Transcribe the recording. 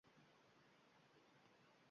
Qoyil qolishadi va maqtashadi.